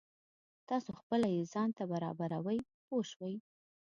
تاسو خپله یې ځان ته برابروئ پوه شوې!.